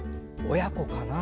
親子かな？